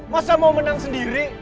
masa mau menang sendiri